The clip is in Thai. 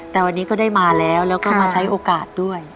แต่วันนี้ก็ได้มาแล้วแล้วก็มาใช้โอกาสด้วย